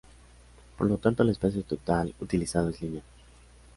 Por lo tanto el espacio total utilizado es lineal.